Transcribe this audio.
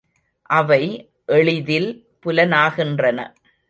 அவை எளிதில் புலனாகின்றன.